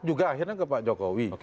juga akhirnya ke pak jokowi